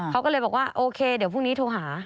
เขาก็เลยบอกว่าโอเคเดี๋ยวพรุ่งนี้โทรหา